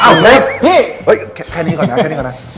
เฮ้ยแค่นี้ก่อนนะแค่นี้ก่อนนะ